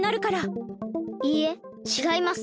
いいえちがいます。